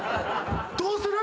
どうする？